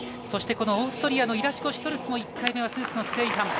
そしてオーストリアのイラシュコシュトルツも１回目はスーツの規定違反。